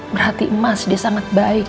merhati emas dia sangat baik